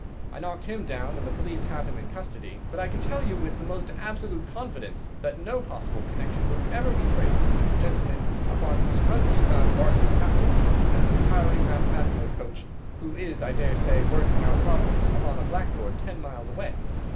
I knocked him down, and the police have him in custody; but I can tell you with the most absolute confidence that no possible connection will ever be traced between the gentleman upon whose front teeth I have barked my knuckles and the retiring mathematical coach, who is, I daresay, working out problems upon a blackboard ten miles away.